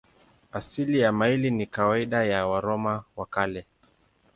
Asili ya maili ni kawaida ya Waroma wa Kale.